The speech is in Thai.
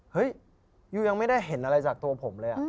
เฮ้ยยูยังไม่ได้เห็นอะไรจากตัวผมเลย